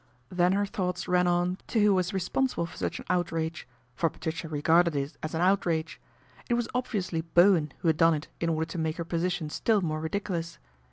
Then her thoughts ran 162 PATRICIA BRENT, SPINSTER on to who was responsible for such an outrage ; for Patricia regarded it as an outrage. It was ob viously Bowen who had done it in order to make her position still more ridiculous.